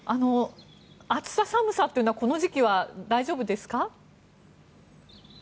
暑さ寒さというのはこの時期は大丈夫ですか？